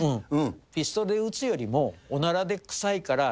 ピストルで撃つよりもおならで臭いから。